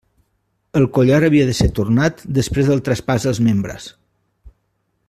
El collar havia de ser tornat després del traspàs dels membres.